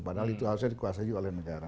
padahal itu harusnya dikuasai oleh negara